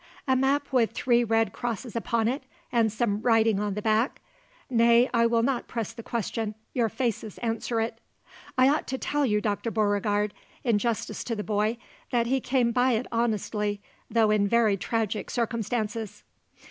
"A map with three red crosses upon it and some writing on the back? Nay, I will not press the question. Your faces answer it." "I ought to tell you, Dr. Beauregard, in justice to the boy, that he came by it honestly, though in very tragic circumstances."